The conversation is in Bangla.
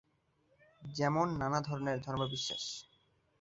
যেমন নানা ধরনের ধর্মবিশ্বাস।